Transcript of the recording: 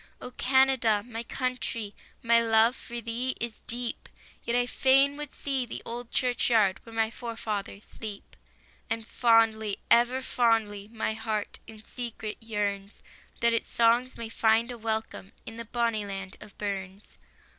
Oh, Canada, my country, My love for thee is deep, Yet I fain would see the old church yard Where my forefathers sleep. And fondly, ever fondly, My heart in secret yearns, That its songs may find a welcome In the bonnie land of Burns.